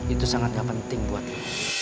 itu sangat gak penting buat lo